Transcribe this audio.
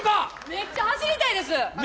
めっちゃ走りたいです！